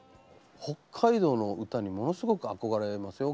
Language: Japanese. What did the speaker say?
北海道の歌にものすごく憧れますよ